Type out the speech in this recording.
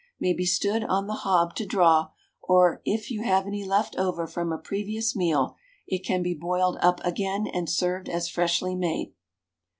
May be stood on the hob to draw; or it you have any left over from a previous meal it can be boiled up again and served as freshly made.